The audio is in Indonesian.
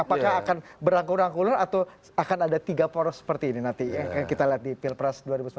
apakah akan berangkul angkulan atau akan ada tiga poros seperti ini nanti yang kita lihat di pilpres dua ribu sembilan belas